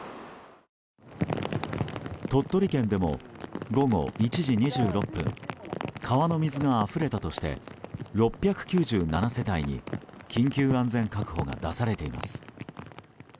鳥取県でも、午後１時２６分川の水があふれたとして６９７世帯に緊急安全確保が出されています。